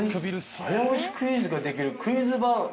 早押しクイズができるクイズバー。